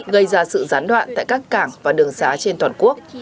gây ra sự gián đoạn tại các cảng và đường xá trên toàn quốc